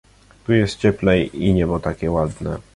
"Tu jest cieplej i niebo takie ładne."